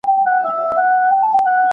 د پردي سيوري نه، په خپلو سرو غرمو کښې ښه ئې